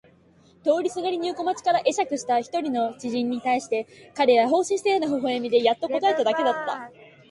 通りすがりに横町から会釈えしゃくした一人の知人に対しても彼は放心したような微笑でやっと答えただけだった。